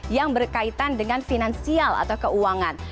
yang berkaitan dengan finansial atau keuangan